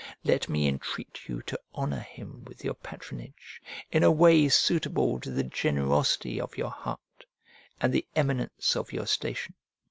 Let me entreat you to honour him with your patronage in a way suitable to the generosity of your heart, and the eminence of your station.